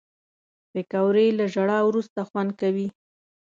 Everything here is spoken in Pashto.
پکورې له ژړا وروسته خوند کوي